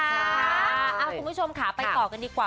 คุณผู้ชมค่ะไปต่อกันดีกว่า